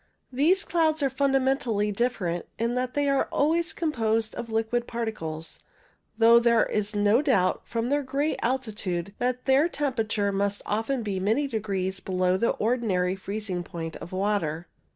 These clouds are fundamentally different, in that they are always composed of liquid particles, though there is no doubt, from their great altitude, that their temperature must often be many degrees below the ordinary freezing point of water.